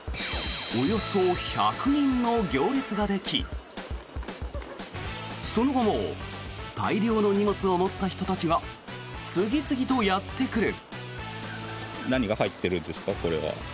およそ１００人の行列ができその後も大量の荷物を持った人たちが次々とやってくる。